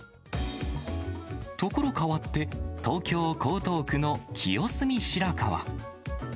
所変わって、東京・江東区の清澄白河。